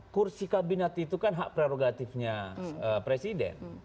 kursi kabinet itu kan hak prerogatifnya presiden